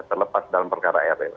terlepas dalam perkara rl